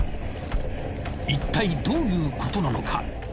いったいどういうことなのか？